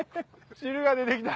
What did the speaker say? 汁が出てきた。